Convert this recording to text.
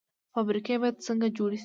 فابریکې باید څنګه جوړې شي؟